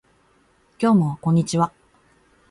今日もこんにちは